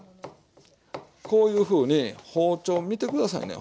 こういうふうに包丁を見て下さいね。